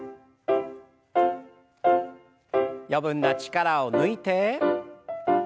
余分な力を抜いて。